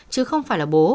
chứ không phải là bố